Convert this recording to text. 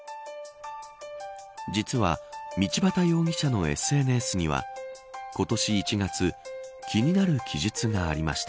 実は、道端容疑者のＳＮＳには今年１月気になる記述がありました。